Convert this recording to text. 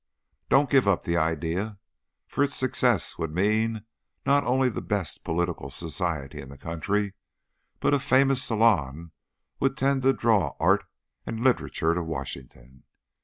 Don't give up the idea, for its success would mean not only the best political society in the country, but a famous salon would tend to draw art and literature to Washington.